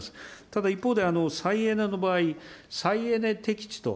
ただ一方で、再エネの場合、再エネ適地と、